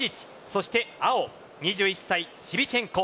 そして青、２２歳シビチェンコ。